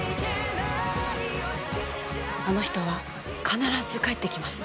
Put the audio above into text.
あの人は必ず帰ってきます。